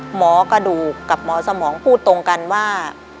หมอกระดูกกับหมอสมองพูดตรงกันว่า